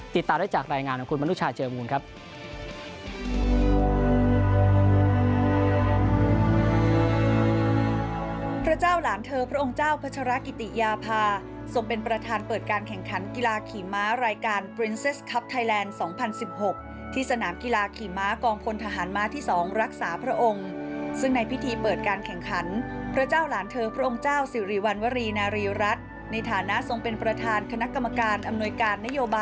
ติดตามได้จากรายงานของคุณมนุชาเจอมูลครับ